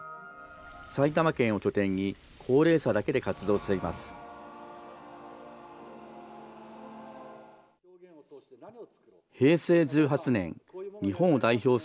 埼玉県を拠点に、高齢者だけで活動しています。